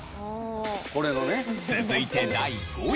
続いて第５位。